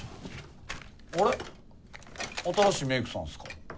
あれ新しいメークさんすか？